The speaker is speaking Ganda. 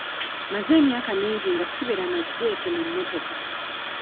Mmaze emyaka mingi nga sibeera na jjeeke mu mmotoka.